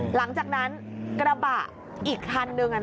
หลังจากนั้นกระบะอีกคันนึง